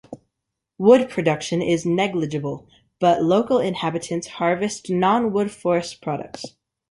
Wood production is negligible, but local inhabitants harvest non-wood forest products.